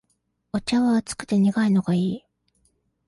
お茶は熱くて苦いのがいい